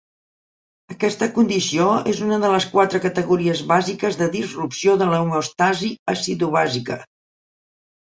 Aquesta condició és una de les quatre categories bàsiques de disrupció de l'homeòstasi acidobàsica.